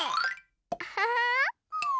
アハハー！